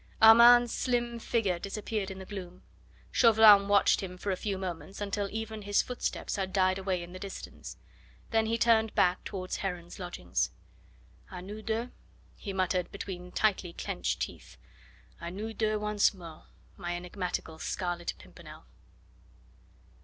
Armand's slim figure disappeared in the gloom. Chauvelin watched him for a few moments until even his footsteps had died away in the distance; then he turned back towards Heron's lodgings. "A nous deux," he muttered between tightly clenched teeth; "a nous deux once more, my enigmatical Scarlet Pimpernel."